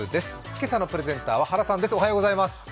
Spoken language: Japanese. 今朝のプレゼンターは原さんです。